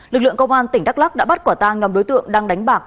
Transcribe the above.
lực lượng công an tỉnh đắk lắc đã bắt quả ta ngầm đối tượng đang đánh bạc